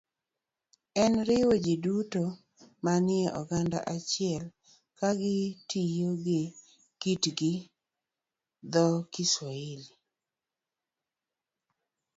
en riwo ji duto manie oganda achiel ka gitiyo gi kitgi gi dho - Kiswahili.